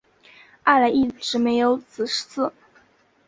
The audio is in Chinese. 二人一直没有子嗣。